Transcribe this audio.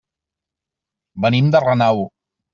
Venim de Renau.